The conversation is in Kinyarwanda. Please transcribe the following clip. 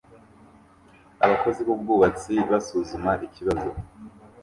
Abakozi b'ubwubatsi basuzuma ikibazo